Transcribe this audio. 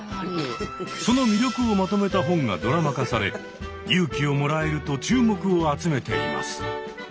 その魅力をまとめた本がドラマ化され勇気をもらえると注目を集めています。